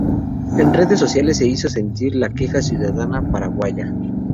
En redes sociales se hizo sentir la queja ciudadana paraguaya.